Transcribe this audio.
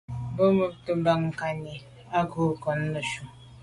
Me bumte bag ngankine à nke ngon neshu.